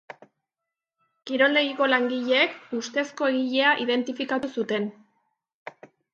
Kiroldegiko langileek ustezko egilea identifikatu zuten.